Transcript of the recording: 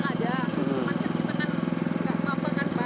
maksudnya kita tidak melakukan apa apa